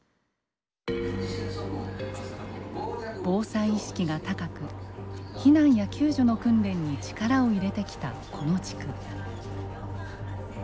防災意識が高く避難や救助の訓練に力を入れてきたこの地区。